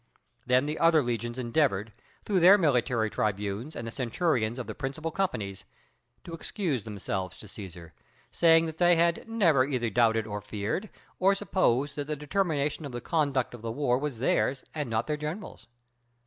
Then the other legions endeavored, through their military tribunes and the centurions of the principal companies, to excuse themselves to Cæsar, saying that they had never either doubted or feared, or supposed that the determination of the conduct of the war was theirs and not their general's.